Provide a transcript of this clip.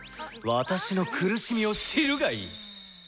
私の苦しみを知るがいい！